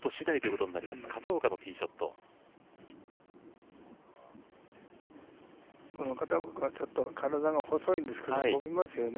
この片岡君はちょっと体が細いんですけど飛びますよね